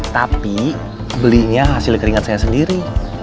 tapi belinya hasil keringat saya sendiri